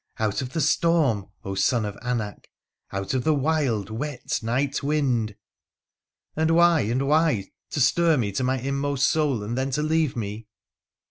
' Out of the storm, son of Anak !— out of the wild, wet night wind !'' And why, and why — to stir me to my inmost soul, and then to leave me